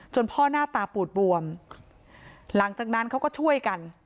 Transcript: พ่อหน้าตาปูดบวมหลังจากนั้นเขาก็ช่วยกัน